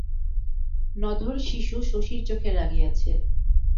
নধর শিশু শশীর চোখে লাগিয়াছে।